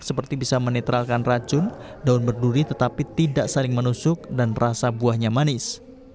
seperti bisa menetralkan racun daun berduri tetapi tidak saling menusuk dan rasa buahnya manis